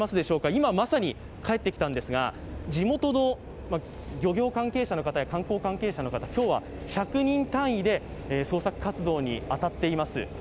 今、まさに帰ってきたんですが地元の漁業関係者の方や観光関係者の方、今日は１００人単位で捜索活動に当たっています。